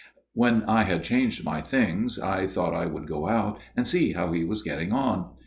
" When I had changed my things I thought I would go out and see how he was getting on.